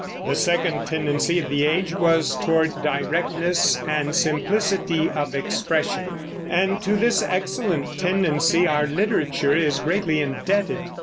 The second tendency of the age was toward directness and simplicity of expression, and to this excellent tendency our literature is greatly indebted.